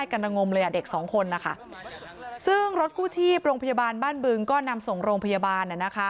ไม่กันลงมเลยเด็ก๒คนซึ่งรถคู่ชีพโรงพยาบาลบ้านบึงก็นำส่งโรงพยาบาล